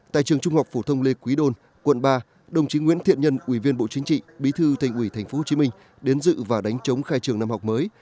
tại trường trung học phổ thông lê quý đôn quận ba đồng chí nguyễn thiện nhân ủy viên bộ chính trị bí thư thành ủy tp hcm đến dự và đánh chống khai trường năm học mới